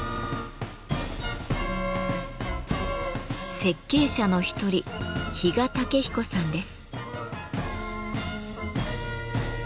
設計者の一人比嘉武彦さんです。